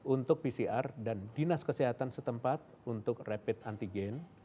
untuk pcr dan dinas kesehatan setempat untuk rapid antigen